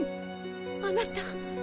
あなた。